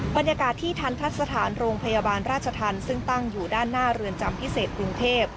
บรรยากาศที่ทันทะสถานโรงพยาบาลราชธรรมซึ่งตั้งอยู่ด้านหน้าเรือนจำพิเศษกรุงเทพ